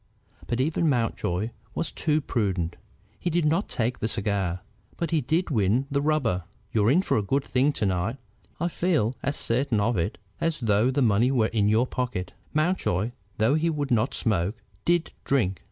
But even Mountjoy was too prudent. He did not take the cigar, but he did win the rubber. "You're in for a good thing to night, I feel as certain of it as though the money were in your pocket." Mountjoy, though he would not smoke, did drink.